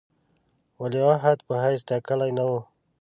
ولیعهد په حیث ټاکلی نه وو.